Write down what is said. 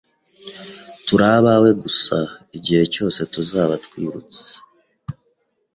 Turi abawe gusa igihe cyose tuzaba twirutse